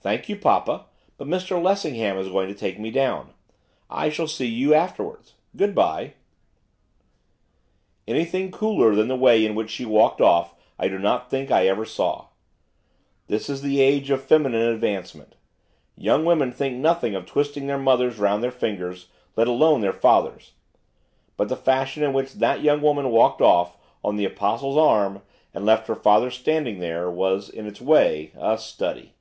'Thank you, papa, but Mr Lessingham is going to take me down. I shall see you afterwards. Good bye.' Anything cooler than the way in which she walked off I do not think I ever saw. This is the age of feminine advancement. Young women think nothing of twisting their mothers round their fingers, let alone their fathers; but the fashion in which that young woman walked off, on the Apostle's arm, and left her father standing there, was, in its way, a study.